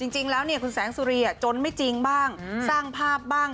จริงแล้วคุณแสงสุรีจนไม่จริงบ้างสร้างภาพบ้าง